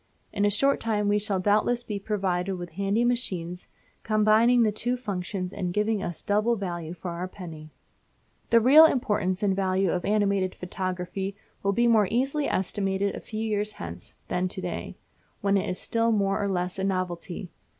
In a short time we shall doubtless be provided with handy machines combining the two functions and giving us double value for our penny. The real importance and value of animated photography will be more easily estimated a few years hence than to day, when it is still more or less of a novelty.